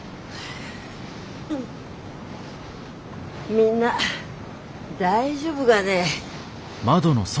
みんな大丈夫がね。